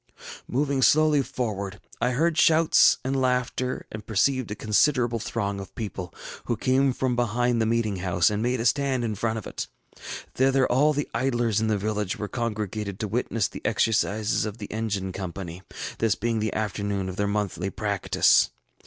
ŌĆ£Moving slowly forward, I heard shouts and laughter, and perceived a considerable throng of people, who came from behind the meeting house and made a stand in front of it. Thither all the idlers in the village were congregated to witness the exercises of the engine company, this being the afternoon of their monthly practice.